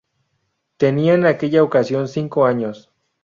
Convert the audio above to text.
Tenía en aquella ocasión cinco años.